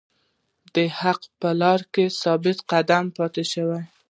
د حق په لاره کې ثابت قدم پاتې شئ.